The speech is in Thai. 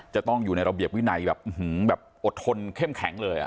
จะต้องอยู่ในระเบียบวินัยแบบอดทนเข้มแข็งเลย